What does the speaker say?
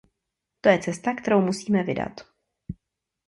To je cesta, kterou musíme vydat.